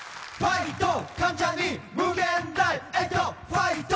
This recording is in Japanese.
ファイト！